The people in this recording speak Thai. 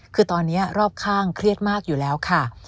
คือตอนนี้รอบข้างเครียดมากอยู่แล้วค่ะ